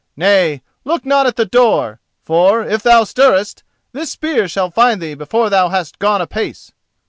Nay, look not at the door: for, if thou stirrest, this spear shall find thee before thou hast gone a pace!"